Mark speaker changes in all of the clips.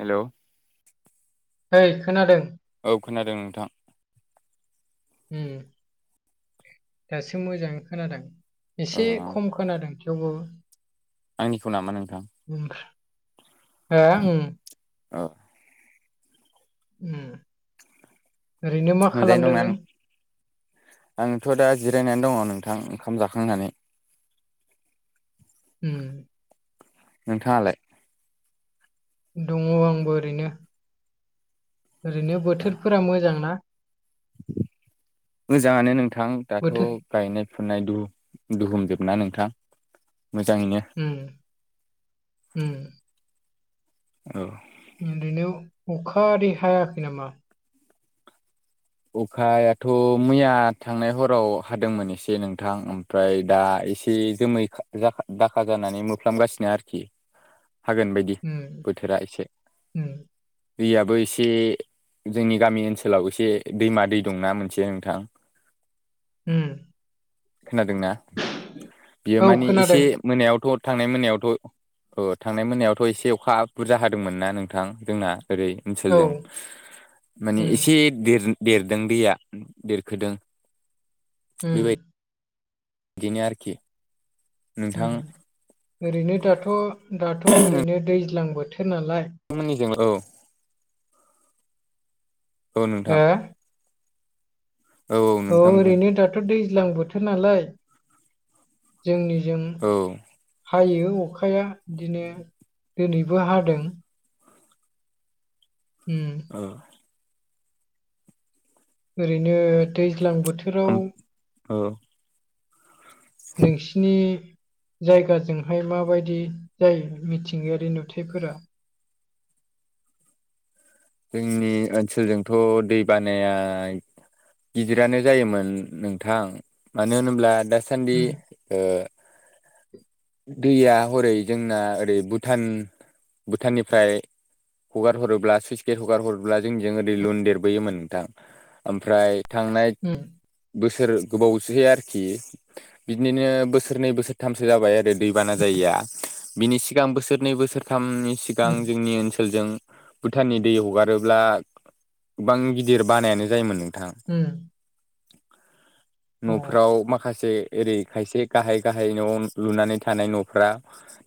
Speaker 1: Hello.
Speaker 2: ओय खोनादों
Speaker 1: औ खोनादों नोंथां।
Speaker 2: दासो मोजाङै खोनादोंना
Speaker 1: औ
Speaker 2: एसे खम खोनादों थेवबो
Speaker 1: आंनिखौ नामा नोंथां?
Speaker 2: हो उम
Speaker 1: औ
Speaker 2: उम ओरैनो मा
Speaker 1: मोजाङैनो
Speaker 2: खालामदों नों?
Speaker 1: दंना आंथ' दा जिरायनानै दङ नोंथां ओंखाम जाखांनानै
Speaker 2: उम
Speaker 1: नोंथाङालाय
Speaker 2: दङ आंबो ओरैनो। ओरैनो बोथोरफोरा मोजां ना?
Speaker 1: मोजाङानो नोंथां दाथ'
Speaker 2: बोथोर
Speaker 1: गायनाय फुनाय दुहुमजोबना नोंथां मोजाङैनो।
Speaker 2: उम उम
Speaker 1: औ।
Speaker 2: ओरैनो अखा हादै हायाखै नामा?
Speaker 1: अखायाथ' मैया थांनाय हराव हादोंमोन एसे नोंथां ओम ओमफ्राय दा एसे जोमै दाखा जानानै मोफ्लागासिनो आरोखि हागोन बायदि
Speaker 2: उम
Speaker 1: बोथोरा एसे
Speaker 2: उम
Speaker 1: दैयाबो एसे जोंनि गामि ओनसोलाव एसे दैमा दै दंना मोनसे नोंथां।
Speaker 2: उम
Speaker 1: खोनादोंना बियो
Speaker 2: औ
Speaker 1: मानि
Speaker 2: खोनादों
Speaker 1: एसे मोनायावथ' थांनाय मोनायावथ' औ थांनाय मोनायावथ' एसे अखा बुरजा हादोंमोन ना नोंथां जोंना ओरै
Speaker 2: औ
Speaker 1: ओनसोलजों माने
Speaker 2: उम
Speaker 1: एसे देर देरदों दैया देरखोदों।
Speaker 2: उम
Speaker 1: दिनो आरोखि नोंथां
Speaker 2: उम ओरैनो दाथ' दाथ' ओरैनो दैज्लां बोथोर नालाय
Speaker 1: थांमोननिजों औ अ नोंथां
Speaker 2: हो औ ओरैनो दाथ' दैज्लां बोथोर नालाय जोंनिजों
Speaker 1: औ
Speaker 2: हायो अखाया बिदिनो दोनैबो हादों। उम
Speaker 1: अ
Speaker 2: ओरैनो दैज्लां
Speaker 1: ओम
Speaker 2: बोथोराव
Speaker 1: औ
Speaker 2: नोंसिनि जायगाजोंहाय माबायदि जायो मिथिंगायारि नुथायफोरा
Speaker 1: जोंनि ओनसोलजोंथ' दै बानायाय गिदिरानो जायोमोन नोंथां मानो होनोब्ला दासान्दि
Speaker 2: उम
Speaker 1: ओ दैया हरै जोंना ओरै भुटान भुटाननिफ्राय हगार हरोब्ला सुइस जे हगार हरब्ला जोंजों ओरै लुनदेर बोयोमोन नोंथां ओमफ्राय थांनाय
Speaker 2: उम
Speaker 1: बोसोर गोबावसै आरोखि बिदिनो बोसोरनै बोसोरथामसो जाबाय आरो दैबाना जायिया बिनि सिगां बोसोरनै बोसोरथामनि सिगां
Speaker 2: उम
Speaker 1: जोंनि ओनसोलजों भुटाननि दै हगारोब्ला गोबां गिदिर बानायानो जायोमोन नोंथां।
Speaker 2: उम अ
Speaker 1: न'फ्राव माख खासे ओरै खायसे गाहाय गाहाय न'आव लुनानै थानाय न'फ्रा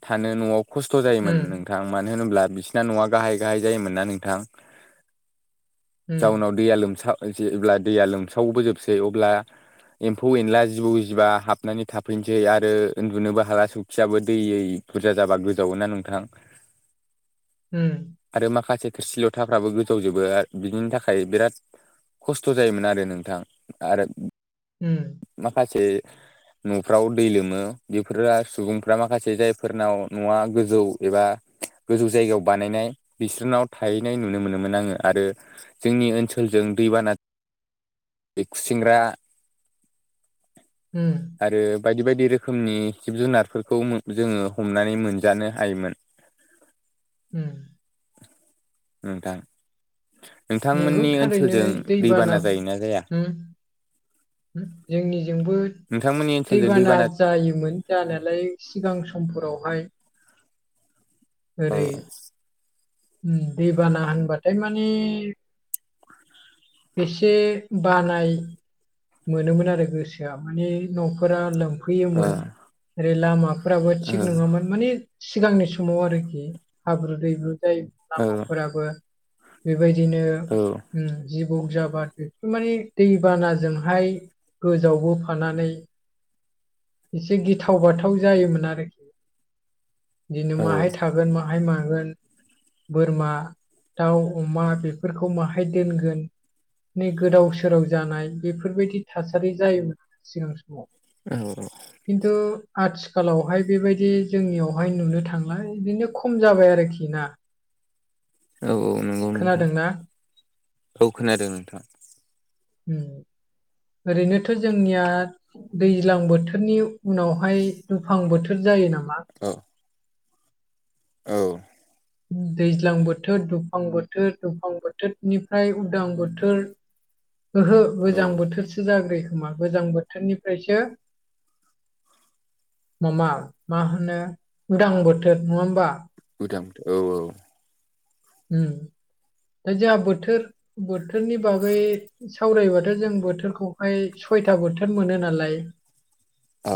Speaker 1: थानो न'आव खस्थ' जायोमोन
Speaker 2: उम
Speaker 1: नोंथां मानो होनोब्ला बिसिना न'आ गाहाय गाहाय जायोमोनना नोंथां जाउनाव दैया लोमसा जे जेब्ला दैया लोमसावबोजोबसै अब्ला एम्फौ एनला जिबौ जिबा हाबनानै थाफैनोसै आरो उन्दुनोबो हाला सौखियाबो दैयै बुरजा जाबा गोजावो ना नोंथां
Speaker 2: उम
Speaker 1: आरो माखासे थोरसि लथाफ्राबो गोजावजोबो आर बिनि थाखाय बिराद खस्थ' जायोमोन आरो नोंथां आरो
Speaker 2: उम
Speaker 1: माखासे न'फ्राव दै लोमो बेफोरो आ सुबुंफ्रा माखासे जायफोरनाव न'आ गोजौ एबा गोजौ जायगायाव बानायनाय बिसोरनाव थाहैनाय नुनो मोनोमोन आङो आरो जोंनि ओनसोलजों दैबाना बे खुसिंग्रा
Speaker 2: उम
Speaker 1: आरो बायदि बायदि रोखोमनि जिब जुनारफोरखौ मो जोङो हमनानै मोनजानो हायोमोन।
Speaker 2: उम
Speaker 1: नोंथां
Speaker 2: नोंगौ
Speaker 1: नोंथांमोननि
Speaker 2: थारैनो
Speaker 1: ओनसोलजों दैबाना जायोना जाया?
Speaker 2: उम ओ जोंनिजोंबो
Speaker 1: नोंथांमोननि ओनसोलजों
Speaker 2: दैबाना जायोमोन। जानायालाय सिगां समफोरावहाय
Speaker 1: औ
Speaker 2: ओरै उम दैबाना होनबाथाय माने एसे बानाय मोनोमोन आरो गोसोआ माने न'फोरा
Speaker 1: ओ
Speaker 2: लोमफैयोमोन ओरै लामा फोराबो
Speaker 1: ओ औ
Speaker 2: थिग नङामोन माने सिगांनि समाव आरोखि हाब्रु -दैब्रु जाय
Speaker 1: औ
Speaker 2: लामाफोराबो बेबायदिनो जिबौ जाबाद बेफोर माने दैबानाजोंहाय गोजावबोफानानै एसे गिथाव- बाथाव जायोमोन आरोखि बिदिनो माहाय थागो मागोन बाहाय मागोन बोरमा, दाउ, अमा बेफोरखौ माहाय दोनगोन नै गोदाव -सोराव जानाय बेफोरबायदि थासारि जायोमोन सिगां समाव।
Speaker 1: औ औ
Speaker 2: खिनथु आ आथिखालावहाय बेबायदि जोंनियावहाय नुनो थांला बिदिनो खम जाबाय आरोखि ना।
Speaker 1: औ औ नंगौ नोंथा
Speaker 2: खोनादोंना
Speaker 1: औ खोनादों नोंथाङा।
Speaker 2: ओरैनोथ' जोंनिया दैज्लां बोथोरनि उनावहाय दुफां -बोथोर जायो नामा?
Speaker 1: औ औ
Speaker 2: दैज्लां बोथोर, दुफां बोथोर, दुफां बोथोरनिफ्राय उदां बोथोर, ओहो
Speaker 1: औ
Speaker 2: गोजां बोथोरसो जाग्रोयोखोमा गोजां बोथोरनिफ्रायसो माबा मा होनो उदां बोथोर नङा होमबा?
Speaker 1: उदां औ औ
Speaker 2: दा जोंहा बोथोर -बोथोरनि बागै सावरायबाथ' जों बोथोरखौहाय सयथा बोथोर मोनो नालाय
Speaker 1: आ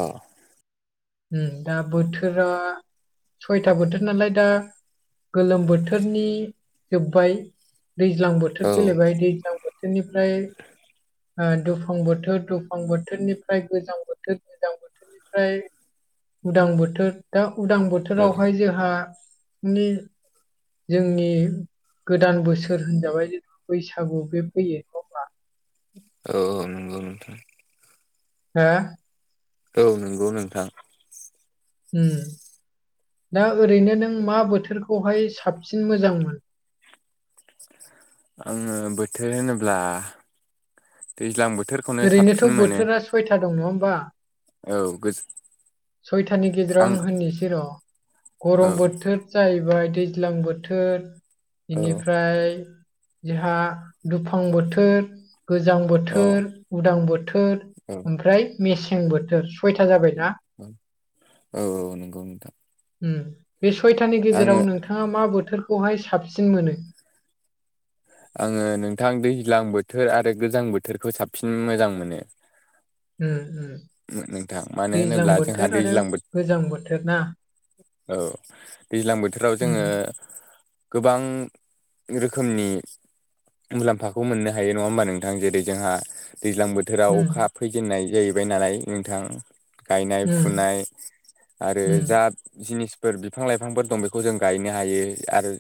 Speaker 2: दा बोथोरा सयथा बोथोर नालाय दा गोलोम बोथोरनि जोब्बाय दैज्लां बोथोर
Speaker 1: औ
Speaker 2: फैलायबाय दैज्लां बोथोरनिफ्राय दुफां बोथोर, दुफां बोथोरनिफ्राय गोजां बोथोर, गोजां बोथोरनिफ्राय उदां बोथोर दा उदां
Speaker 1: औ
Speaker 2: बोथोरावहाय जोंहा मानानि जोंनि गोदान बोसोर होनजाबाय जेनबा बैसागु बे फैयैखौ
Speaker 1: औ औ नंगौ नोंथां
Speaker 2: हो
Speaker 1: औ नंगौ नोंथां।
Speaker 2: उम दा ओरैनो नों मा बोथोरखौहाय साबसिन मोजांमोन?
Speaker 1: आङो बोथोर होनोब्ला दैज्लां बोथोर
Speaker 2: ओरैनोथ' बोथोरा सयथा दं नङा होमबा?
Speaker 1: औ गोज
Speaker 2: सयथानि गेजेराव आं होननिसै र'
Speaker 1: औ
Speaker 2: गरम बोथोर, जाहैबाय दैज्लां बोथोर
Speaker 1: औ
Speaker 2: बेनिफ्राय जोंहा दुफां बोथोर, गोजां
Speaker 1: औ
Speaker 2: बोथोर, उदां बोथोर,
Speaker 1: औ
Speaker 2: ओमफ्राय मेसें बोथोर सयथा जाबायना?
Speaker 1: औ औ नंगौ नोंथां
Speaker 2: बे सयथानि
Speaker 1: आङो
Speaker 2: गेजेराव नोंथाङा मा बोथोरखौहाय साबसिन मोनो?
Speaker 1: आङो नोंथां दैज्लां बोथोर आरो गोजां बोथोरखौ साबसिन मोजां मोनो।
Speaker 2: ओ ओम
Speaker 1: नोंथां मानो
Speaker 2: दैज्लां
Speaker 1: होनोब्ला जोंहा
Speaker 2: बोथोर आरो
Speaker 1: दैज्लां बो
Speaker 2: गोजां बोथोर ना?
Speaker 1: औ दैज्लां बोथोराव
Speaker 2: उम
Speaker 1: जोङो गोबां रोखोमनि मुलाम्फाखौ मोननो हायो नङा होमबा नोंथां। जेरै जोंहा दैज्लां बो बोथोराव
Speaker 2: उम
Speaker 1: अखा फैजेननाय जाहैबाय नालाय नोंथां
Speaker 2: उम
Speaker 1: गायनाय-फुनाय आरो
Speaker 2: उम
Speaker 1: जा खिनि फोर बिफां लाइफांफोर दं बेखौ जों गायनो हायो आरो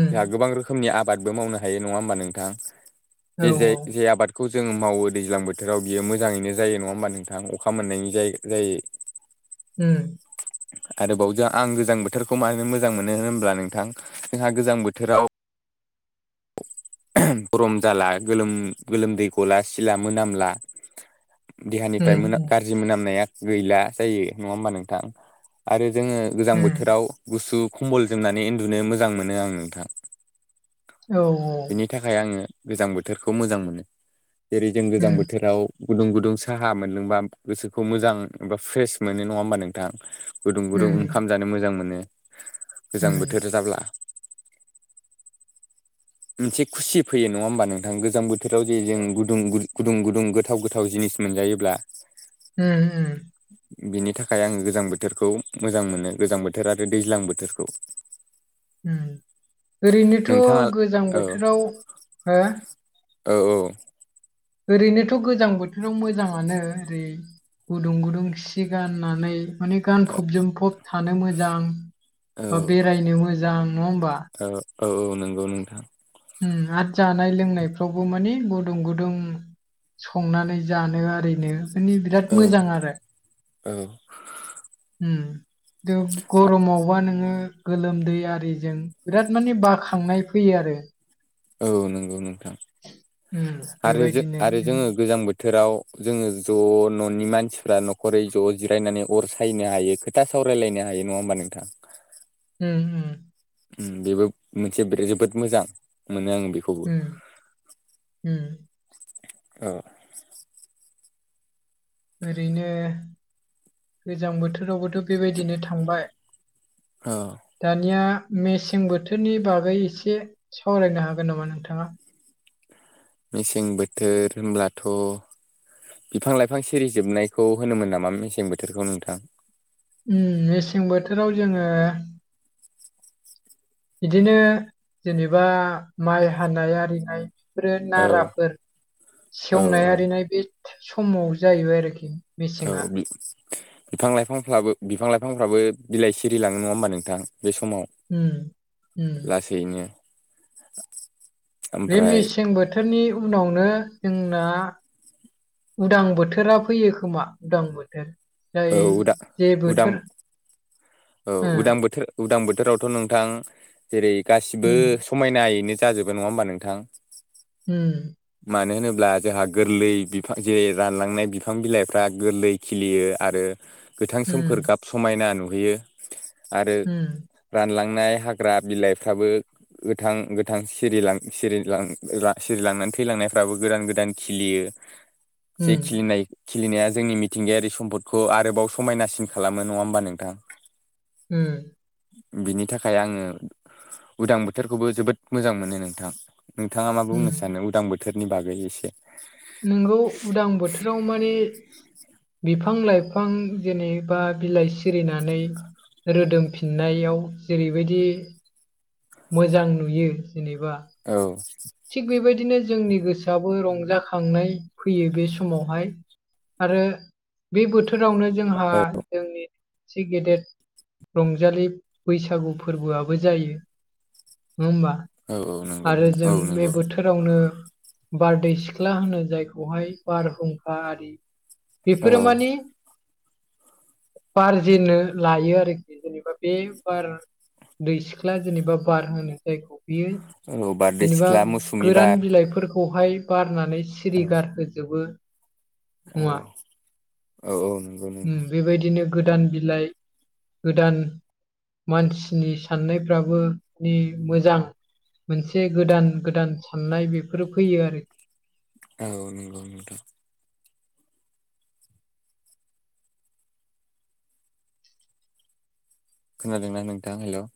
Speaker 2: उम
Speaker 1: जोंहा गोबां रोखोम खोमनि आबादबो मावनो हायो नङा होमबा नोंथां
Speaker 2: औ
Speaker 1: जे जे जे आबाद खौ जोंङो मावो दैज्लां बोथोराव बियो मोजाङैनो जायो नङा होमबा नों थां अखा मोननायनि जाय जायो
Speaker 2: उम।
Speaker 1: आरोबावजा आं गोजां बोथोरखौ मानो मोजां मोनो होनब्ला नोंथां। जोंहा गोजां बोथोराव गरम जाला गोलोम गोलोमदै गला सिला मोनामला
Speaker 2: उम
Speaker 1: देहानिफ्राय मोनाम
Speaker 2: उम
Speaker 1: गाज्रि मोनामनाया गैला जायो नङा होमबा नोंथां आरो जोंङो गोजां
Speaker 2: उम
Speaker 1: बोथोराव गुसु खम्बल जोमनानै उन्दुनो मोजां मोनो आं नोंथां।
Speaker 2: औ औ
Speaker 1: बेनि थाखाय आङो गोजां बोथोरखौ मोजां मोनो जेरै जों गोजां
Speaker 2: उम
Speaker 1: बोथोराव गुदुं गुदुं साहा मोनदोंबा गोसोखौ मोजां एबा फ्रेस मोनो नङा होमबा नोंथां। गुदुं
Speaker 2: उम
Speaker 1: गुदुं ओंखाम जानो मोजां मोनो गोजां
Speaker 2: उम
Speaker 1: बोथोर जाब्ला मोनसे खुसि फैयो नङा होमबा नोंथां गोजां बोथोराव जे जों गुदुं गुदुं गुदुं गोथाव गोथाव जिनिस मोनजायोब्ला
Speaker 2: उम उम।
Speaker 1: बिनि थाखाय आंङो गोजां बोथोरखौ मोजां मोनो गोजां बोथोर आरो दैज्लां बोथोरखौ।
Speaker 2: ओं ओरैनोथ'
Speaker 1: नोंथाङा
Speaker 2: गोजां
Speaker 1: औ
Speaker 2: बोथोराव हो
Speaker 1: औ औ।
Speaker 2: ओरैनोथ' गोजां बोथोराव मोजाङानो ओरै गुदुं गुदुं सि गाननानै माने गानफब जोमफब थानो मोजां
Speaker 1: औ
Speaker 2: ओ बेरायनो मोजां नङा होमबा?
Speaker 1: औ औ औ नंगौ नोंथां।
Speaker 2: उम आत नाय लोंनायफ्रावबो मानि गुदुं गुदुं। संनानै जानो आरैनो माने बिराद
Speaker 1: औ
Speaker 2: मोजां आरो।
Speaker 1: औ
Speaker 2: उम दो गरमावबा नोंङो गोलोमदै आरिजों बिराद माने बाखांनाय फैयो आरो।
Speaker 1: औ नंगौ नोंथां
Speaker 2: उम
Speaker 1: आरो जो
Speaker 2: बेबायदिनो
Speaker 1: आरो
Speaker 2: उम
Speaker 1: जोंङो गोजां बो थोराव जोंङो ज' न'नि मानसिफ्रा न'खरै ज' जिरायनानै अर सायनो हायो। खोथा सावरायलायनो हायो नङा होमबा नोंथां।
Speaker 2: उम उम।
Speaker 1: उम बेबो मोनसे बिराद जोबोद मोजां मोनो आं बेखौ
Speaker 2: उम उम
Speaker 1: औ
Speaker 2: ओरैनो गोजां बोथोरावबोथ' बेबायदिनो थांबाय।
Speaker 1: औ
Speaker 2: दानिया मेसें बोथोरनि बागै एसे सावरायनो हागोन नामा नोंथाङा?
Speaker 1: मेसें बोथोर होनब्लाथ' बिफां लाइफां सिरि जोबनायखौ होनोमोन नामा मेसें बोथोरखौ नोंथां?
Speaker 2: उम मेसें बोथोराव जोंङो इदिनो जेनेबा माइ हानाय आरिनाय बेफोरो
Speaker 1: औ
Speaker 2: नाराफोर
Speaker 1: औ
Speaker 2: सेवनाय आरिनाय बे समाव जाहैबाय आरोखि।
Speaker 1: औ
Speaker 2: मेसेङा
Speaker 1: बि बिफां लाइफांफ्राबो बिफां लाइफांफ्राबो बिलाइ सिरि लाङो नङा होमबा नोंथां बे समाव।
Speaker 2: उम उम
Speaker 1: बेनो।
Speaker 2: बे मेसें बोथोरनि उनावनो जोंना उदां बोथोरा फैयो खोमा उदां बोथोर। जाय
Speaker 1: औ उदा
Speaker 2: जे
Speaker 1: उदां।
Speaker 2: बोथोर
Speaker 1: औ
Speaker 2: ओ
Speaker 1: उदां बोथोर उदां बोथोरावथ' नोंथां जेरै गासिबो
Speaker 2: उम
Speaker 1: समायनायैनो जाजोबो नङा होमबा नोंथां?
Speaker 2: उम
Speaker 1: मानो होनोब्ला जोंहा गोरलै बिफां जेरै रानलांनाय बिफां बिलाइफ्रा गोरलै खिलियो आरो गोथां सोमखोर
Speaker 2: उम
Speaker 1: गाब समायना नुहैयो आरो
Speaker 2: उम
Speaker 1: रानलांनाय हाग्रा बिलाइफ्राबो गोथां गोथां सिरिलां सिरिलां ला सिरिलांनानै थैलांनायफ्राबो गोदान गोदान खिलियो।
Speaker 2: [inaudible]
Speaker 1: जे खिलिनाय खिलिनाया जोंनि मिथिंगायारि सम्पद खौ आरोबाव समायनासिन खालामो नङा होमबा नोंथां?
Speaker 2: ओम
Speaker 1: बिनि थाखाय आङो उदां बोथोरखौबो जोबोद मोजां मोनो नोंथां नोंथाङा मा
Speaker 2: उम
Speaker 1: बुंनो सानो उदां बोथोरनि बागै एसे
Speaker 2: नोंगौ उदां बोथोराव माने बिफां लाइफां जेनेबा बिलाइ सिरिनानै रोदोमफिननायाव जेरै बायदि मोजां नुयो जेनेबा
Speaker 1: औ
Speaker 2: थिग बेबायदिनो जोंनि गोसोआबो रंजाखांनाय फैयो बे समावहाय आरो बे बोथोरावनो जोंहा
Speaker 1: औ
Speaker 2: जोंनि इसि गेदेर रंजालि बैसागु फोरबोआबो जायो नङा होमबा?
Speaker 1: औ औ
Speaker 2: आरो
Speaker 1: नंगौ औ
Speaker 2: जों बे
Speaker 1: नंगौ
Speaker 2: बोथोर बोरावनो बारदै सिख्ला होनो जायखौहाय बारहुंखा आरि
Speaker 1: औ
Speaker 2: बेफोरो मानि बारजेननो लायो आरोखि जेनेबा बे बार दै सिख्ला जेनेबा बार होनो जायखौ बियो
Speaker 1: औ बारदै
Speaker 2: जेनेबा
Speaker 1: सिख्ला मौसुमि
Speaker 2: गोरान
Speaker 1: बार
Speaker 2: बिलाइफोरखौहाय बारनानै
Speaker 1: औ
Speaker 2: सिरिगारहोजोबो [inaudible]
Speaker 1: औ
Speaker 2: ओम
Speaker 1: औ औ नंगौ नोंथां
Speaker 2: बेबायदिनो गोदान बिलाइ गोदान मानसिनि साननायफ्राबो मानि मोजां एसे गोदान गोदान साननाय बेफोरो फैयो आरोखि
Speaker 1: औ नंगौ नोंथां खोनादों न नोंथां हेलौ?